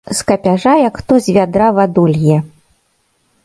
З капяжа як хто з вядра ваду лье.